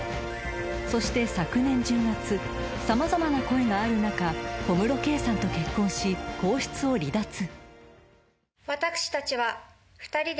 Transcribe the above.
［そして昨年１０月様々な声がある中小室圭さんと結婚し皇室を離脱］